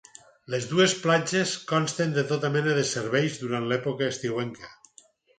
Les dues platges consten de tota mena de serveis durant l'època estiuenca.